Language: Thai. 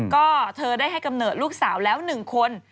ก็เธอได้ให้กำเนิดลูกสาวแล้ว๑คน